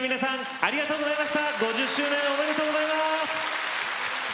ありがとうございます。